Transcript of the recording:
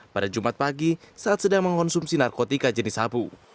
pada jumat pagi saat sedang mengonsumsi narkotika jenis sabu